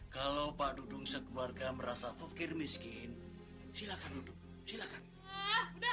kalau pak dudung sekeluarga merasa fufkir miskin silakan duduk silakan udah